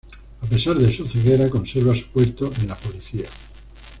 A pesar de su ceguera conserva su puesto en la policía.